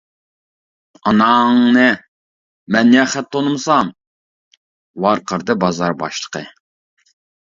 -ئاناڭنى، مەن يا خەت تونۇمىسام، -ۋارقىرىدى بازار باشلىقى.